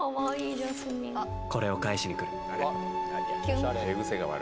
これを返しに来る